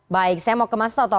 baik saya mau ke mas toto